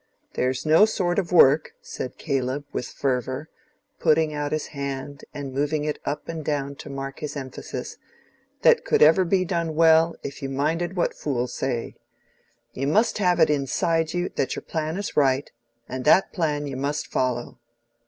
There's no sort of work," said Caleb, with fervor, putting out his hand and moving it up and down to mark his emphasis, "that could ever be done well, if you minded what fools say. You must have it inside you that your plan is right, and that plan you must follow."